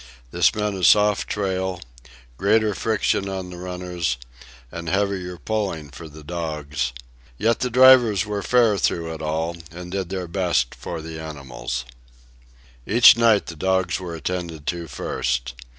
This meant a soft trail, greater friction on the runners, and heavier pulling for the dogs; yet the drivers were fair through it all, and did their best for the animals. Each night the dogs were attended to first.